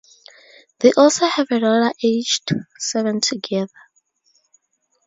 They also have a daughter aged seven together.